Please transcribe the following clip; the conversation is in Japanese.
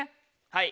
はい。